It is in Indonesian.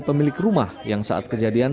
pemilik rumah yang saat kejadian